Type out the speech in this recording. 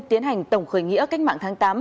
tiến hành tổng khởi nghĩa cách mạng tháng tám